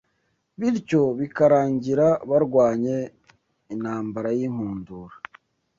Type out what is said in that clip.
bityo bikarangira barwanye intambarayinkundura